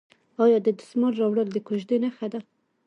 آیا د دسمال راوړل د کوژدې نښه نه ده؟